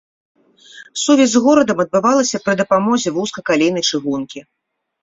Сувязь з горадам адбывалася пры дапамозе вузкакалейнай чыгункі.